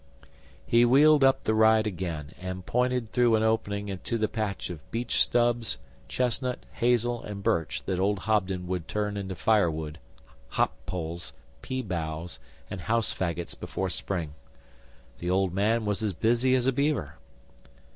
He wheeled up the ride again, and pointed through an opening to the patch of beech stubs, chestnut, hazel, and birch that old Hobden would turn into firewood, hop poles, pea boughs, and house faggots before spring. The old man was as busy as a beaver.